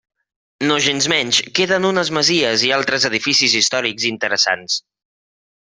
Nogensmenys queden unes masies i altres edificis històrics interessants.